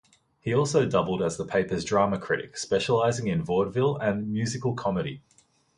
He also doubled as the paper's drama critic, specializing in vaudeville and musical comedy.